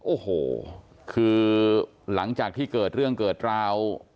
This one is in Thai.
โอ้โหคือหลังจากที่เกิดเรื่องเกิดราว